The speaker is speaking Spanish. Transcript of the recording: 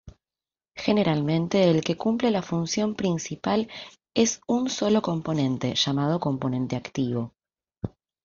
Generalmente el que cumple la función principal es un solo componente, llamado componente activo.